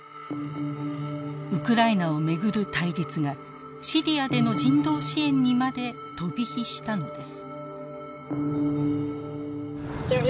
ウクライナを巡る対立がシリアでの人道支援にまで飛び火したのです。